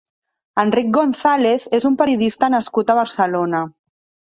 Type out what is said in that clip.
Enric González és un periodista nascut a Barcelona.